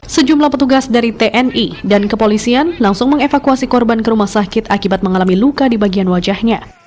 sejumlah petugas dari tni dan kepolisian langsung mengevakuasi korban ke rumah sakit akibat mengalami luka di bagian wajahnya